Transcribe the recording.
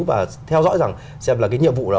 và theo dõi rằng xem là cái nhiệm vụ đó